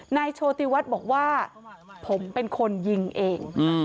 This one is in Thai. โชติวัฒน์บอกว่าผมเป็นคนยิงเอง